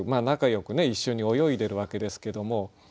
仲よく一緒に泳いでるわけですけども。